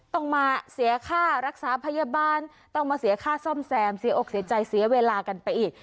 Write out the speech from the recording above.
ต้องมาเสียค่ารักษาพยาบาลต้องมาเสียค่าซ่อมแซมเสียอกเสียใจเสียเวลากันไปอีก